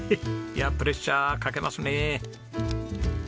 いやプレッシャーかけますね。